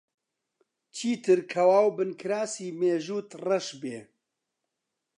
چیتر کەوا و بنکراسی مێژووت ڕەش بێ؟